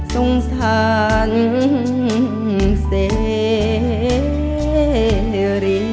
สงสันเสรีย